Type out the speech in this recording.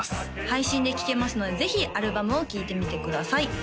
配信で聴けますのでぜひアルバムを聴いてみてください